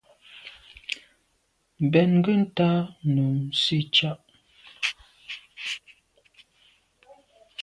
Mbèn nke ntà num nsitsha’a.